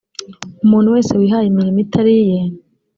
umuntu wese wihaye imirimo itari iye